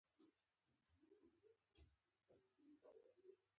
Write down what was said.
که بل اړخ ته څوک راسا خبره هم کوي.